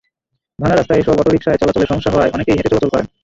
ভাঙা রাস্তায় এসব অটোরিকশায় চলাচলে সমস্যা হওয়ায় অনেকেই হেঁটে চলাচল করেন।